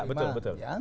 ya betul betul